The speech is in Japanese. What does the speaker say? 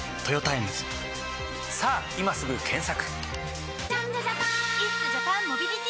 さぁ今すぐ検索！